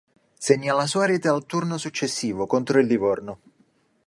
Segna la sua prima rete al turno successivo, contro il Livorno.